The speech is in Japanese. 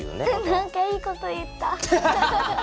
何かいい事言った。